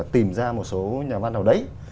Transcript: tìm ra một số nhà văn nào đấy